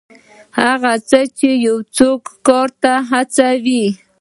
هغه څه چې یو څوک کار ته هڅوي.